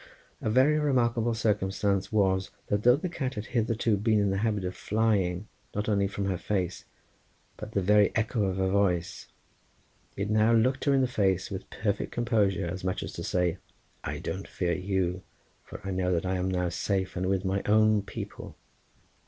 A very remarkable circumstance was, that though the cat had hitherto been in the habit of flying not only from her face, but the very echo of her voice, it now looked her in the face with perfect composure, as much as to say, "I don't fear you, for I know that I am now safe and with my own people."